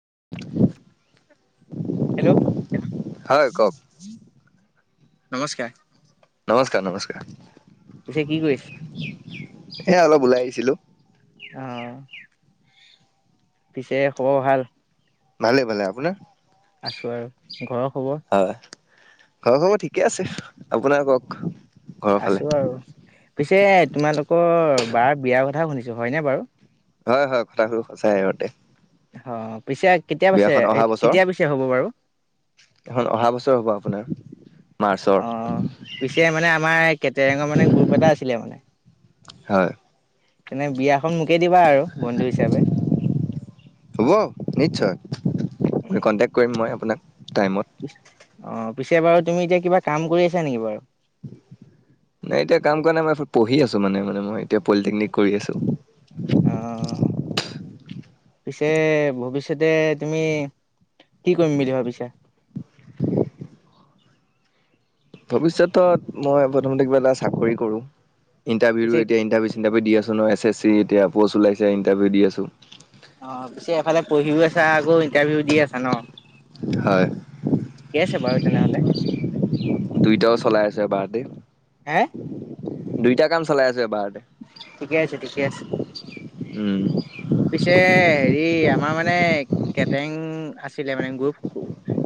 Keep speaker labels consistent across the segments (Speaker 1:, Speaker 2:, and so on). Speaker 1: [inaudible]
Speaker 2: Hello
Speaker 1: হয় কওক
Speaker 2: নমস্কাৰ
Speaker 1: নমস্কাৰ নমস্কাৰ
Speaker 2: পিছে কি কৰিছে?
Speaker 1: ছিলো
Speaker 2: আহ। পিছে খব ভাল।
Speaker 1: ভালে ভালে আপোনাৰ
Speaker 2: আছো আৰু ঘৰৰ। খবৰ?
Speaker 1: হয় ঘৰ খবৰ ঠিকে আছে আপোনাৰ কওক? ঘৰৰ ফালে
Speaker 2: আছো আৰু পিছে তোমালোকৰ বাৰ বিয়াৰ কথা শুনিছো হয়নে বাৰু?
Speaker 1: হয় হয় কথাষ সঁচাই শুনাটো।
Speaker 2: অ পিছে কেতিয়া পিছে কেতিয়া পিছে হ'ব বাৰু?
Speaker 1: খন অহা বছৰ হ'ব আপোনাৰ। মাৰ্চৰ
Speaker 2: অ পিছে মানে আমাৰ কেটেৰেঙৰ মানে গ্ৰোপ এটা আছিলে মানে।
Speaker 1: হয়
Speaker 2: এনে বিয়াখন মোকে দিবা আৰু বন্ধু হিচাপে।
Speaker 1: হ'ব নিশ্চয় কণ্টেক কৰিম মই আপোনাক। টাইমত
Speaker 2: অ পিছে বাৰু তুমি এতিয়া কিবা কাম কৰি আছা নেকি বাৰু?
Speaker 1: নাই এতিয়া কাম কৰা নাই মই পঢ়ি আছো মানে মই এতিয়া পলিটেকনিক কৰি আছো।
Speaker 2: অহ। পিছে ভৱিষ্যতে তুমি কি কৰিম বুলি ভাবিছা?
Speaker 1: [inaudible] ভৱিষ্যতত মই প্ৰথমতে কিবা এটা চাকৰি কৰো
Speaker 2: পিছে
Speaker 1: ইণ্টাৰভিউ এতিয়া ইটাৰভিউ চাৰউ দি আছো ন এছ এছ চি এতিয়া পোষ্ট ওলাইছে ইটাৰভিউ দি আছো।
Speaker 2: অ পিছে এফালে পঢ়িও আছা আকৌ ইণ্টাৰভিউ দি আছা ন?
Speaker 1: হয়
Speaker 2: ঠিকে আছে বাৰু তেনে হলে।
Speaker 1: ঠিকেই দি।
Speaker 2: হে
Speaker 1: দুইটা কাম চলাই আছো এবাৰ।
Speaker 2: ঠিকে আছে ঠিকে আছে
Speaker 1: উম
Speaker 2: পিছে হেৰি আমাৰ মানে কেটাৰং আছিলে মানে গ্ৰুপ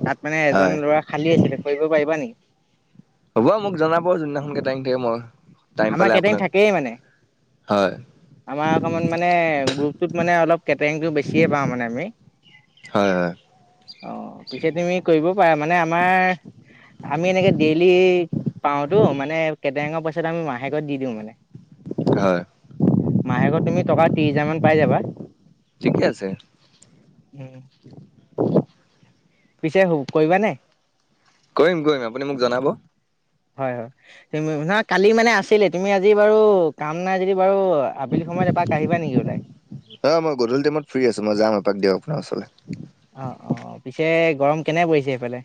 Speaker 2: তাত মানে এজন
Speaker 1: হয়
Speaker 2: ল'ৰা খালী আছিলে কৰিব পাৰিবা নেকি?
Speaker 1: হ'ব মোক জনাব যোনদিনাখন কেটাইক দিয় মই। টাইম
Speaker 2: আমাৰ
Speaker 1: পালে
Speaker 2: কেইদিন
Speaker 1: আপোনাক
Speaker 2: থাকেই মানে
Speaker 1: হয়
Speaker 2: আমাৰ অকমান মানে গ্ৰপ ত মানে অলপ কেটাৰিংটো বেছিয়ে পাওঁ মানে আমি।
Speaker 1: হয় হয়
Speaker 2: অ পিছে তুমি কৰিব পাৰা মানে আমাৰ আমি এনেকে ডেইলি পাওতো মানে কেইটঙৰ পইচাত আমি মাহেকত দি দিওঁ মানে।
Speaker 1: হয়
Speaker 2: মাহেকত তুমি টকা ত্ৰিশ হাজাৰ মান পাই যাবা।
Speaker 1: ঠিকে আছে।
Speaker 2: পিছে কৰিবানে?
Speaker 1: কৰিম কৰিম আপুনি মোক জনাব।
Speaker 2: হয় হয় ন কালি মানে আছিলে তুমি আজি বাৰু কাম নাই যদি বাৰু আবেলি সময়ত এপাক আহিবা নেকি নহলে?
Speaker 1: অ মই গধূলি টাইমত ফ্ৰী আছো মই যাম আপাক দকপোনাৰ ওচৰলৈ।
Speaker 2: অ অ পিছে গৰম কেনে পৰিছে সেইফালে?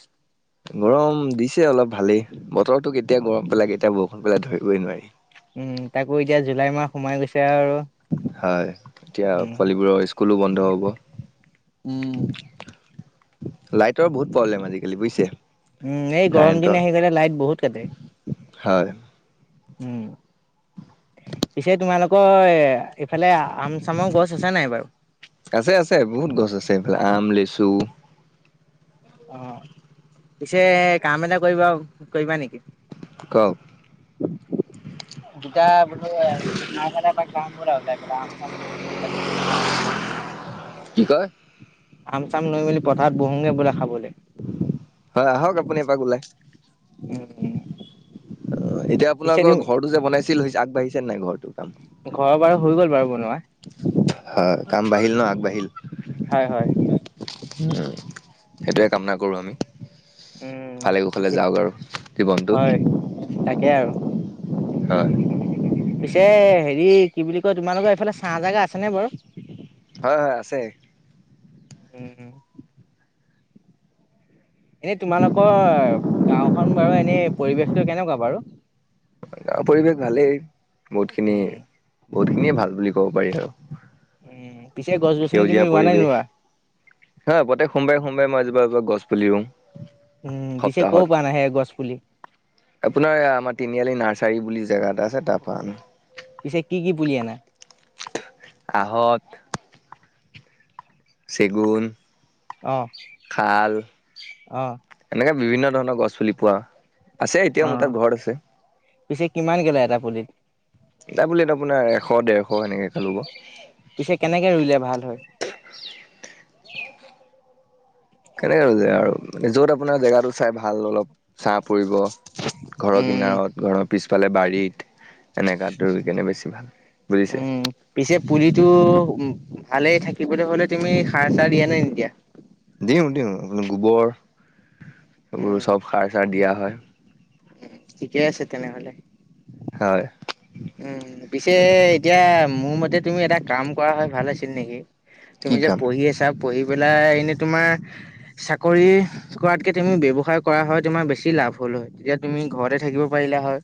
Speaker 1: গৰম দিছে অলপ ভালেই বতৰটো কেতিয়া গৰম পেলাই কেতিয়া বৰষুণ পেলাই ধৰিবই নোৱাৰি।
Speaker 2: উম তাকো এতিয়া জুলাই মাহ সোমাই গৈছে আৰু।
Speaker 1: হয় এতিয়া
Speaker 2: উম
Speaker 1: পোৱালিবোৰৰ স্কুলো বন্ধ হ'ব।
Speaker 2: উম!
Speaker 1: লাইটৰ বহুত প্ৰব্লেম আজিকালি বুজিছে।
Speaker 2: উম এই গৰম
Speaker 1: কাৰেণ্টৰ
Speaker 2: দিন আহি গলে লাইট বহুত কাটে।
Speaker 1: হয়!
Speaker 2: উম, পিছে তোমালোকৰ ইফালে আম চামৰ গছ আছে নাই বাৰু?
Speaker 1: আছে, আছে। বহুত গছ আছে এইফালে। আম, লিচু
Speaker 2: অ'! পিছে কাম এটা কৰিবা, কৰিবা নেকি?
Speaker 1: কওঁক?
Speaker 2: দুটা বুলি [unintelligible] আম চাম লৈ মেলি তাত বহি খামগে।
Speaker 1: কি কয়?
Speaker 2: আম চাম লৈ মেলি পথাৰত বহোঙগে ব'লা খাবলে?
Speaker 1: হয়। আহক আপুনি এপাক ওলাই।
Speaker 2: উম,
Speaker 1: অ'! এতিয়া
Speaker 2: পিছে
Speaker 1: আপোনালোকৰ
Speaker 2: তুমি
Speaker 1: ঘৰটো যে বনাইছিল! হৈছে, আগবাঢ়িছে? চেনাই ঘৰটোক।
Speaker 2: ঘৰৰ বাৰু হৈ গ'ল বাৰু বনোৱা।
Speaker 1: হয় কাম বাঢ়িল ন আগবাঢ়িল।
Speaker 2: হয় হয়।
Speaker 1: উম সেইটোৱে কামনা কৰো আমি।
Speaker 2: উম,
Speaker 1: ভালে কুশালে
Speaker 2: পিছে
Speaker 1: যাওক আৰু জীৱনটো
Speaker 2: হয় তাকে আৰু
Speaker 1: হয়।
Speaker 2: পিছে হেৰি কি বুলি কয় তোমালোকৰ এইফালে ছাঁহ জাগা আছেনে বাৰু!
Speaker 1: হয় হয় আছে।
Speaker 2: উম। এনে তোমালোকৰ গাওখন বাৰু এনে পৰিবেশটো কেনেকুৱা বাৰু।
Speaker 1: গাঁৰ পৰিৱেশ ভালেই বহুতখিনি
Speaker 2: উম,
Speaker 1: বহুত খিনিয়ে ভাল বুলি ক'ব পাৰি আৰু।
Speaker 2: উম, পিছে গছ গছনি তুমি
Speaker 1: সেউজীয়া
Speaker 2: ৰোৱা নাই
Speaker 1: পৰিৱেশ
Speaker 2: নোৰোৱা?
Speaker 1: হা বতে সোমবাৰে সোমবাৰে মই যা। [unintelligible] গছ পুলি ৰোও।
Speaker 2: উম, পিছে ক'ৰ
Speaker 1: সপ্তাহত,
Speaker 2: পৰা আনা সেই গছ পুলি?
Speaker 1: আপোনাৰ, আমাৰ তিনিআলি নাৰ্ছ ইঠাৰী বুলি জেগা এটা আছে, তাৰ পৰা অনা।
Speaker 2: পিছে, কি কি পুলি আনা?
Speaker 1: আঁহত চেগুন।
Speaker 2: অ'!
Speaker 1: শাল
Speaker 2: অ'!
Speaker 1: এনেকে বিভিন্ন ধৰণৰ গছ পুলি পোৱা, আছে। এতিয়া, মোৰ
Speaker 2: অ',
Speaker 1: তাত, ঘৰত আছে।
Speaker 2: পিছে কিমানকে লয় এটা পুলিত?
Speaker 1: নাই বোলে। এইটো আপোনাৰ, এশ, ডেৰশ সেনেকে খালোঁ ক'।
Speaker 2: পিছে, কেনেকে ৰোলে ভাল হয়?
Speaker 1: কেনেকে ৰুলে আৰু। য'ত, মানে আপোনাৰ জেগাটো চাই ভাল অলপ। ছাঁ পৰিব। ঘৰৰ
Speaker 2: উম,
Speaker 1: কিনাৰত, ঘৰৰ পিছফালে বাৰীত। এনেকুৱাত ৰোই কেনে বেছি ভাল। বুজি
Speaker 2: উম, পিছে পুলিটো ভালেই থাকিবলৈ হ'লে, তুমি সাৰ চাৰ দিয়া দিয়া নে নিদিয়া?
Speaker 1: দিওঁ, দিওঁ। গোবৰ, এইবোৰ
Speaker 2: উম
Speaker 1: চব সাৰ, চাৰ দিয়া হয়।
Speaker 2: ঠিকে আছে তেনেহ'লে।
Speaker 1: হয়!
Speaker 2: উম! পিছে, এতিয়া মোৰ মতে তুমি এটা কাম পোৱা হয় ভাল আছিল নেকি!
Speaker 1: কি
Speaker 2: তুমি যে
Speaker 1: কাম
Speaker 2: পঢ়ি আছা, পঢ়ি পেলাই, এনে তোমাৰ চা কৰিহ কৰাতকে তুমি ব্যৱসায় কৰা হয় তোমাৰ বেছি লাভ হ'ল হয় তেতিয়া তুমি ঘৰতে থাকিব পাৰিলা হয়।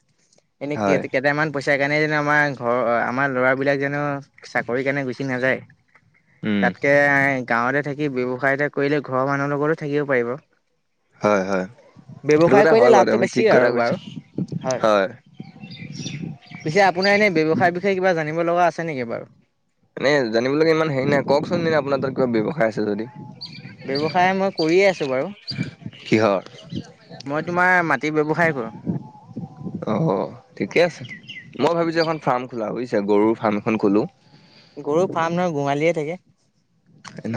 Speaker 2: এনেই
Speaker 1: হয়
Speaker 2: কেতি কেইটামান। পইছা কাৰণে জানো আমাৰ ঘৰ আমাৰ ল'ৰা বিলাক জানো চাকৰি কাৰণে গুছি নাযায়।
Speaker 1: উম
Speaker 2: তাতকে গাঁৱতে থাকি ব্যৱসায় এটা কৰিলে ঘৰৰ মানুহৰ লগতো থাকিব পাৰিব।
Speaker 1: হয় হয়। সেইটো
Speaker 2: ব্যৱসায়
Speaker 1: কথা
Speaker 2: কৰিলে
Speaker 1: হয় বাৰু
Speaker 2: লাভটো
Speaker 1: আপুনি
Speaker 2: বেছি
Speaker 1: ঠিক কথা
Speaker 2: আৰু
Speaker 1: কৈছে
Speaker 2: বাৰু হয়। পিছে আপুনাৰ এনে ব্যৱসায়ৰ বিষয়ে কিবা জানিব লগা আছে নেকি বাৰু?
Speaker 1: মানে জানিব লগীয়া ইমান হেৰী নাই কওকচোন এনে আপোনাৰ তাত কিবা ব্যৱসায় আছে যদি।
Speaker 2: ব্যৱসায় মই কৰিয়ে আছো বাৰু।
Speaker 1: কিহৰ
Speaker 2: মই তোমাৰ মাটি ব্যৱসায়। কৰো।
Speaker 1: অ অ ঠিকে আছে মই ভাবিছো এখন ফাৰ্ম খোলা বুজছো পিছে গৰুৰ ফাৰ্ম এখন খোলোঁ
Speaker 2: গৰু ফাৰ্ম নহয় গোহালিহে থাকে।
Speaker 1: ন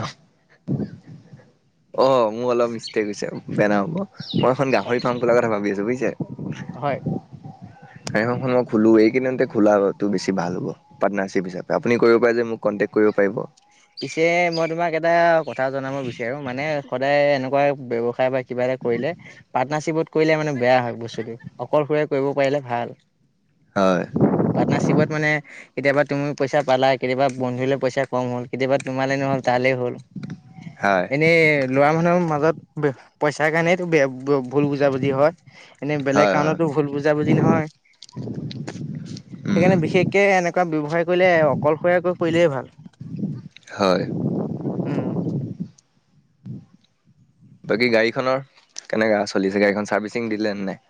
Speaker 1: অ মোৰ অলপ মিষ্টেক হৈছে বেয়া নাপাব মই এখন গাহৰি ফাৰ্ম খোলা কথা ভাবি আছো বুজিছে
Speaker 2: হয়
Speaker 1: মই খোলো এইকেইদিনতে খোলাটো বেছি ভাল হ'ব পাৰ্টনাৰশিপ হিচাপে আপুনি কৰিব পাৰে যে মোক কে [unintelligible] কৰিব পাৰিব।
Speaker 2: পিছে, মই তোমাক এটা কথা জনাব বিচাৰোঁ, মানে, সদায় এনেকুৱা ব্যৱসায় বা কিবা এটা কৰিলে, পাৰ্টনাৰশ্বিপত কৰিলে মানে বেয়া হয় বস্তুটো। অকলশৰে কৰিব পাৰিলে ভাল।
Speaker 1: হয়,
Speaker 2: পাৰ্টনাৰশ্বিপত মানে কেতিয়াবা তুমি পইছা পালা কেতিয়াবা বন্ধুলে পইছা কম হ'ল কেতিয়াবা তোমালে নহ'ল তালে হ'ল
Speaker 1: হয়,
Speaker 2: এনেই ল'ৰা মানুহৰ মাজত পইছাৰ কাৰণে তো বে বো ভুল বুজাবুজি হয়। এনেই বেলেগ
Speaker 1: হয়, হয়,
Speaker 2: কাৰণতটো ভুল বুজাবুজি নহয়,
Speaker 1: উম,
Speaker 2: সেইকাৰণে বিশেষকে এনে কুৱা ব্যৱসায় কৰিলে অকলশৰীয়াকৈ
Speaker 1: হয়,
Speaker 2: উম।
Speaker 1: বাকী গাড়ীখনৰ কেনেকা চলিছে গাড়ীখন চাৰ্ভিচিং দিলে নে নাই?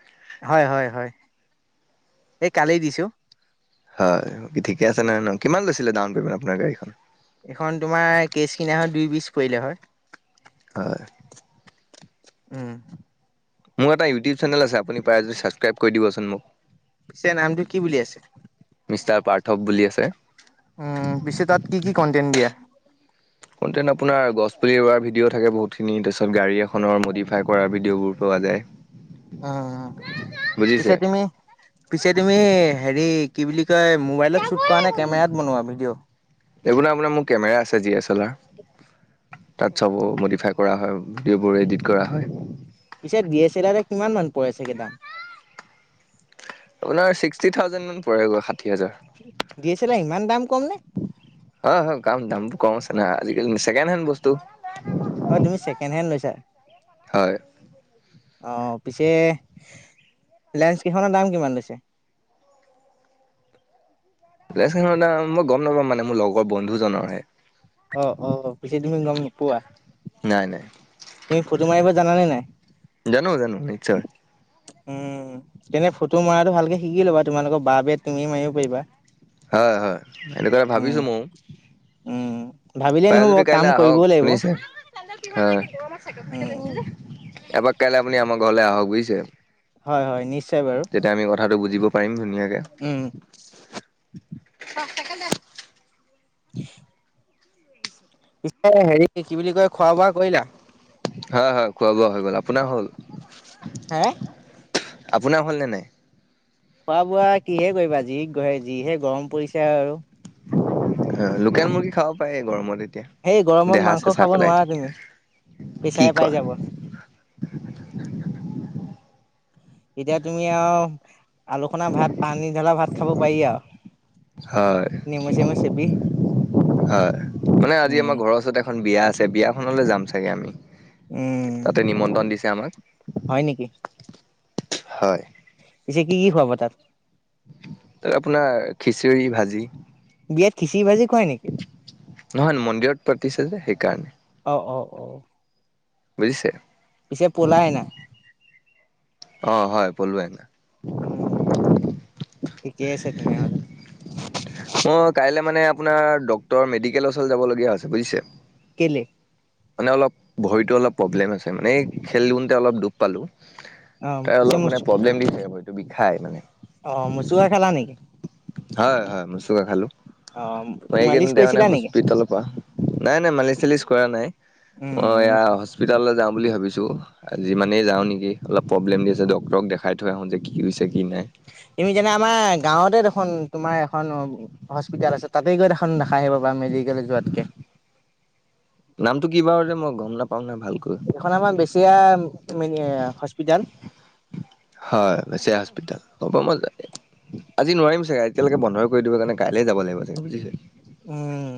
Speaker 2: হয় হয় হয়। এই কালি দিছোঁ।
Speaker 1: হয় ঠিকে আছে নহয় ন কিমান লৈছিলে ডাউনপেমেণ্ট আপোনাৰ গাড়ীখন।
Speaker 2: এইখন তোমাৰ কেচ কিনা হয় দুই বিচ পৰিলে হয়
Speaker 1: হয়
Speaker 2: উম
Speaker 1: মোৰ এটা ইউটিউব চেনেল আছে আপুনি পাৰে যদি চাবচক্ৰাইব কৰি দিবচোন মোক
Speaker 2: পিছে নামটো কি বুলি আছে?
Speaker 1: মিষ্টাৰ পাৰ্থৱ বুলি আছে।
Speaker 2: উম পিছে তাত কি কি কন্টেণ্ট দিয়া?
Speaker 1: কন্টেন আপোনাৰ গছ পুলি ৰ ভিডিঅ থাকে বহুতখিনি তাৰপিত গাড়ী এখনৰ মডিফাই কৰাাৰ ভিডিঅ'বোৰ যায়
Speaker 2: উ
Speaker 1: বুজিছে
Speaker 2: পিছে তুমি পিছে তুমি হেৰি কি বুলি মোবাইলত চুট কৰা নে কেমেৰাত বনোৱা ভিডিঅ'?
Speaker 1: এইবোৰৰ আপোনাৰ মোৰ কেমেৰা আছে ডি এছ তাত চব মডিফাই কৰা হয় ভিডিঅ'বোৰ এডিট কৰা হয়
Speaker 2: পিছে ডি এছ চেলাৰ কিমান মান পৰে ছাগে দাম [unintelligible]
Speaker 1: আপোনাৰ ছিক্টি থাউজেণ্ড মান পৰেগৈ ষাঠি হেজাৰ,
Speaker 2: ডি এছ এল আৰ ইমান দাম কম নে?
Speaker 1: অ অ কাম দামটো কম আছে আজিকালি ছেকেণ্ড হেণ্ড বস্তু
Speaker 2: অ তুমি ছেকেণ্ড হেণ্ড লৈছা?
Speaker 1: হয়
Speaker 2: অ পিছে লেঞ্চ কেইখনৰ দাম কিমান লৈছে
Speaker 1: [unintelligible] [inaudible] ছেনছ মই গম নাপাম মানে মোৰ লগৰ বন্ধুজনৰহে
Speaker 2: অ অ পিছে তুমি গম নোপোৱা
Speaker 1: নাই নাই
Speaker 2: তুমি ফটো মাৰিব জানানে নাই?
Speaker 1: জানো জানো নিশ্চয়
Speaker 2: উম তেনে ফটো মৰাটো ভালকে শিকি লবা তোমালোকৰ বা বে তুমি মাৰিব পাৰিবা [unintelligible]
Speaker 1: হয় হয় সেনেকৈ
Speaker 2: উম,
Speaker 1: ভাবিছো মৌ
Speaker 2: উম, ভাবিলে
Speaker 1: পাৰে
Speaker 2: নহ'ব
Speaker 1: যদি
Speaker 2: কাম
Speaker 1: কাইলৈ
Speaker 2: কৰিবও
Speaker 1: আহক
Speaker 2: লাগিব
Speaker 1: শুনিছে অ এবাক
Speaker 2: উম,
Speaker 1: কাইলৈ আপুনি আমাৰ ঘৰলে আহক বুজিছে
Speaker 2: হয় হয় নিশ্চয় বাৰু।
Speaker 1: তেতিয়া আমি কথাটো বুজিব পাৰিম ধুনিয়া
Speaker 2: উম।
Speaker 1: চাইকেল দে
Speaker 2: [unintelligible] পিছে হেৰি কি বুলি কয় খোৱা বোৱা কৰিলা
Speaker 1: হয় হয় খোৱা বোৱা হৈ গ'ল আপোনাৰ হ'ল
Speaker 2: হে
Speaker 1: আপোনাৰ হ'লনে নাই।
Speaker 2: খোৱা বোৱা কিহে কৰিবা আজি যি যিহে গৰম পৰিছে আৰু।
Speaker 1: অ লোকেল মুৰ্গী খাব পাৰে গৰমতে। এতিয়া
Speaker 2: সেই গৰমত
Speaker 1: দেহা
Speaker 2: মাংস
Speaker 1: চেঁচা
Speaker 2: খাব
Speaker 1: পেলাই
Speaker 2: নোৱাৰা
Speaker 1: দিয়ে
Speaker 2: তুমি
Speaker 1: কি
Speaker 2: প্ৰেছাৰে পাই
Speaker 1: কয়
Speaker 2: যাব।
Speaker 1: [unintelligible] [inaudible]
Speaker 2: এতিয়া তুমি আৰু আলুখনৰ ভাত পানী ঢালা ভাত খাব পাৰি আৰু। [unintelligible]
Speaker 1: হয়
Speaker 2: নেমু সেমু চেপি
Speaker 1: হয় মানে আজি আমাৰ
Speaker 2: উম
Speaker 1: ঘৰৰ ওচৰত এখন বিয়া আছে বিয়াখনলৈ যাম চাগে আমি
Speaker 2: উম
Speaker 1: তাতে নিমন্ত্ৰণ দিছে আমাক
Speaker 2: হয় নেকি
Speaker 1: হয়
Speaker 2: পিছে কি কি খুৱাব তাত?
Speaker 1: ত আপোনাৰ খিচিৰি, ভাজি
Speaker 2: বিয়াত খিচিৰি ভাজি খুৱাই নেকি
Speaker 1: নহয় মন্দিৰত পাতিছে যে সেইকাৰণে।
Speaker 2: অ অ অ
Speaker 1: বুজিছে।
Speaker 2: পিছে পলাই অনা।
Speaker 1: অ হয় পলোৱাই অনা
Speaker 2: ঠিকেই আছে তেনেহ'লে।
Speaker 1: মই কাইলৈ মানে আপোনাৰ ডক্তৰ মেডিকেল ওচৰত যাব লাগে বুজিছে।
Speaker 2: কেলে
Speaker 1: মানে অলপ ভৰিতো অলপ প্ৰব্লেম আছে মানে খেলি থাকোঁতে অলপ দুখ পালো
Speaker 2: অ
Speaker 1: তাই
Speaker 2: পিছে
Speaker 1: অলপ
Speaker 2: মচ
Speaker 1: মানে প্ৰব্লেম দি থাকে ভৰিত খায় মানে
Speaker 2: অ মচুৰা খালা নেকি
Speaker 1: হয় হয় খালো
Speaker 2: অ
Speaker 1: মই
Speaker 2: মালিচ
Speaker 1: এইকেইদিনতে মানে
Speaker 2: কৰিছিলা নেকি
Speaker 1: হস্পিতেলৰ পৰা নাই নাই মালিচ চালিচ কৰা নাই মই
Speaker 2: উম
Speaker 1: এয়া হস্পিতাললৈ যাও বুলি ভাবিছো আজি মানেই যাও নেকি অলপ প্ৰব্লেম দি আছে ডক্তৰক দেখাই থৈ আহো যে কি হৈছে। কি নাই।
Speaker 2: তুমি জানা আমাৰ গাঁৱতে দেখ খন তোমাৰ এখন হস্পিতাল আছে তাতে গৈ দেখোন দেখাই আহিব পাৰা মেডিকেল যোৱাতকে।
Speaker 1: নামটো কি বাও যে মই গম নাপাও নহয় ভালকৈ।
Speaker 2: তিয়ন
Speaker 1: হয়ছে হস্পিটল হ'ব মই আজি নোৱাৰিম চাগে এতিয়ালৈকে বন্ধই কৰি দিব কাৰণে কাইলৈ যাব লাগিব চাগে বুজিছে
Speaker 2: উম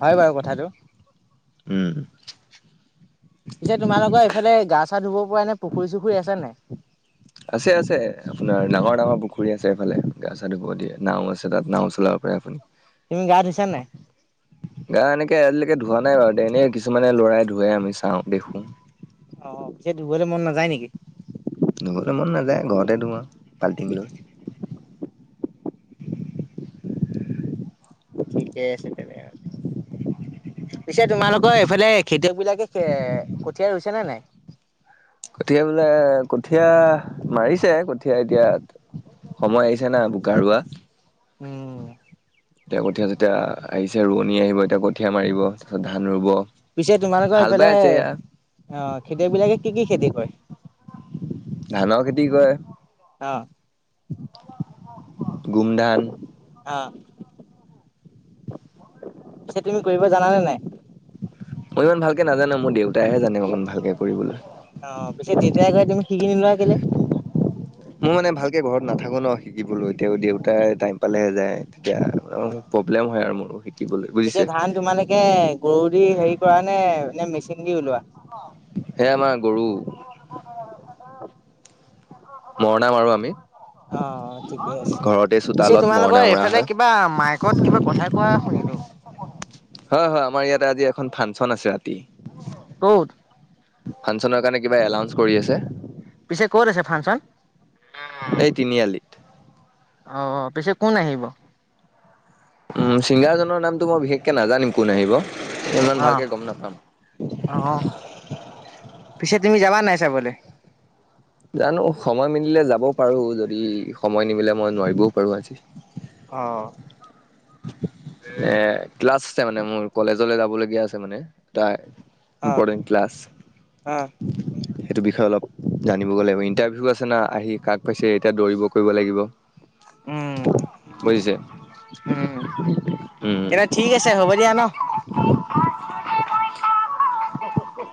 Speaker 2: হয় বাৰু কথাটো
Speaker 1: উম
Speaker 2: পিছে তোমালোকৰ এইফালে গা চা ধুব পৰা এনে পুখুৰী চুখুৰী আছে নাই
Speaker 1: আছে আছে আপোনাৰ ডাঙৰ ডাঙৰ পুখুৰী আছে এইফালে গা চা ধুব দিয়ে নাও আছে তাত নাও চলাব পাৰে আপুনি।
Speaker 2: তুমি গা ধুইছা নাই?
Speaker 1: গা এনেকে আজিলৈকে ধোৱা নাই বাৰু এনেই কিছুমানে লৰাই ধুৱে আমি চাওঁ দেখো।
Speaker 2: অ পিছে ধুবলৈ মন নাযায় নেকি।
Speaker 1: ধুবলে মন নাযায় ঘৰতে ধুও আৰু বাল্টিং লৈ [unintelligible]
Speaker 2: ঠিকেই আছে তেনে। পিছে তোমালোকৰ এইফালে খেতিয়ক বিলাকে কঠিয়া ৰুইছে নে নাই?
Speaker 1: কঠীয়া বোলে কঠীয়া মাৰিছে কঠীয়া এতিয়া সময় আহি। ছে না বোকা ৰুৱা
Speaker 2: উম,
Speaker 1: এতিয়া কঠীয়া যেতিয়া আহিছে ৰোৱনী আহিব এতিয়া। কঠিয়া মাৰিব তাৰপিছত ধান ৰুব
Speaker 2: পিছে তোমালোকৰ
Speaker 1: হাল বাই
Speaker 2: এইফালে
Speaker 1: আছে এয়া
Speaker 2: অ' খেতিয়ক বিলাকে কি কি খেতি কৰে
Speaker 1: ধানৰ খেতি কৰে
Speaker 2: অহ
Speaker 1: গুমধান
Speaker 2: স তুমি কৰিব জানানে নাই
Speaker 1: মই ইমান ভালকৈ নাজনো মোৰ দেউতাই হে জানে অকণমান ভালকে কৰিবলৈ
Speaker 2: অ পিছে যেতিয়া গৈ তুমি শিকি নোলোৱা কেলে
Speaker 1: মই মানে ভালকে ঘৰত নাথাকো ন শিকিবলৈ এতিয়াও দেউতাই টাইম পালেহে যায় তেতিয়া প্ৰব্লেম হয় আৰু মোৰো শিকিবলৈ বুজিছে
Speaker 2: পিছে ধান তোমালোকে গৰু দি হেৰি কৰা নে মেচিন দি উলোৱা
Speaker 1: সেই আমাৰ গৰু মৰণা মাৰো আমি
Speaker 2: অ ঠিকেই আছে
Speaker 1: ঘৰতে
Speaker 2: পিছে
Speaker 1: চোতালত
Speaker 2: তোমালোকৰ
Speaker 1: মৰণা মৰা
Speaker 2: এইফালে
Speaker 1: হয়
Speaker 2: কিবা মাইকত কিবা কথাই কোৱাই শুনিলো
Speaker 1: হয় হয় আমাৰ ইয়াতে আজি এখন ফাংচন আছে ৰাতি
Speaker 2: কত
Speaker 1: ফাংচনৰ কাৰণে কিবা এলাউঞ্চ কৰি আছে
Speaker 2: পিছে ক'ত আছে ফাংচন
Speaker 1: এই তিনিআলিত
Speaker 2: আহ পিছে কোন আহিব
Speaker 1: উম ছিংগাৰজনৰ নামটো মই বিশেষকে নাজানিম কোন আহিব ইমান
Speaker 2: অ'
Speaker 1: ভালকে গম নাপাম
Speaker 2: অ' পিছে তুমি যাবা নাই চাবলে
Speaker 1: জানো সময় মিলিলে যাবও পাৰো যদি সময় নিমিলে মই নোৱাৰিবও পাৰো আজি
Speaker 2: অ
Speaker 1: এ ক্লাছ আছে মানে মোৰ কলেজলৈ যাবলগীয়া আছে মানে এটা
Speaker 2: অ'
Speaker 1: ইম্পৰ্টেণ্ট ক্লাছ
Speaker 2: অ'
Speaker 1: সেইটো বিষয়ে অলপ জানি ইণ্টাৰভিউ আছে না আহি কাক পাইছে এতিয়া দৌৰিব কৰিব লাগিব
Speaker 2: উম
Speaker 1: বুজিছে
Speaker 2: উম তে
Speaker 1: উম
Speaker 2: ঠিক আছে হ'ব দিয়া ন উ